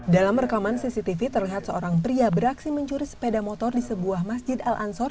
dalam rekaman cctv terlihat seorang pria beraksi mencuri sepeda motor di sebuah masjid al ansor